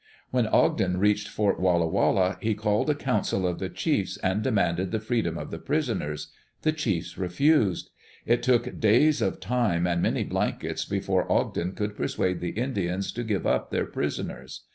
When Ogden reached Fort Walla Walla, he called a council of the chiefs, and demanded the freedom of the prisoners. The chiefs refused. It took days of time and many blankets before Ogden could persuade the Indians to give up their prisoners.